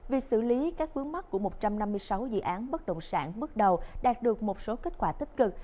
việc xử lý các vướng mắt của một trăm năm mươi sáu dự án bất động sản bước đầu đạt được một số kết quả tích cực